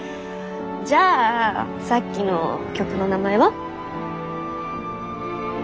じゃあさっきの曲の名前は？